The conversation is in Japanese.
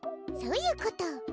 そういうこと。